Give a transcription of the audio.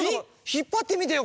ひっぱってみてよ